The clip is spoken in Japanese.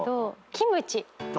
キムチ。